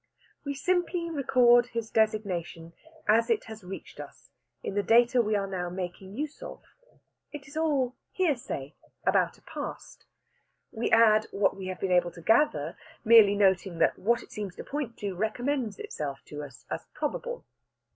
We simply record his designation as it has reached us in the data we are now making use of. It is all hearsay about a past. We add what we have been able to gather, merely noting that what it seems to point to recommends itself to us as probable.